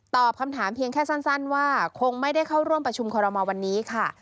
คำถามเพียงแค่สั้นว่าคงไม่ได้เข้าร่วมประชุมคอรมอลวันนี้ค่ะ